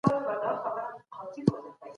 د ماليي پیسي د هېواد په بیارغونه کي لګول کیږي.